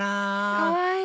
かわいい。